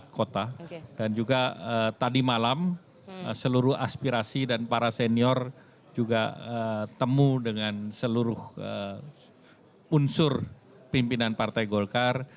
kota dan juga tadi malam seluruh aspirasi dan para senior juga temu dengan seluruh unsur pimpinan partai golkar